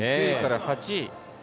９位から８位。